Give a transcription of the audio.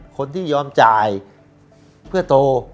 คนที่ยอมจ่ายเพื่อโต